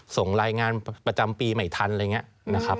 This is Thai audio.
ส่งรายงานประจำปีใหม่ทันอะไรอย่างนี้นะครับ